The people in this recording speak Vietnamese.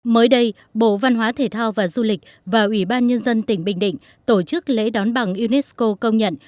mới đây bộ văn hóa thể thao và du lịch và ủy ban nhân dân tỉnh bình định tổ chức lễ đón bằng unesco công nhận